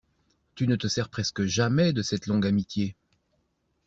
Tu ne te sers presque jamais de cette longue amitié.